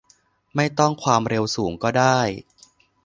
ไม่ต้องความเร็วสูงก็ได้